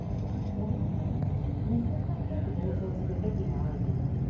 思い込んだら見境なく暴走する癖があるのよ。